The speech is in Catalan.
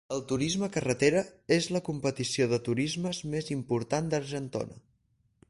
El Turisme Carretera és la competició de turismes més important d'Argentona.